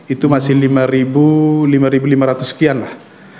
itu masih lima lima ratus sekian lah